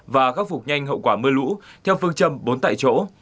và khắc phục nhanh hậu quả mưa lũ theo phương châm bốn tại chỗ